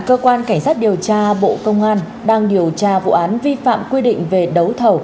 cơ quan cảnh sát điều tra bộ công an đang điều tra vụ án vi phạm quy định về đấu thầu